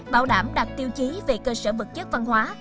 bảo đảm đặt tiêu chí về cơ sở vật chất văn hóa